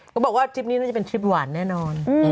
ก็บอกว่าทริปนี้น่าจะเป็นทริปหวานแน่นอน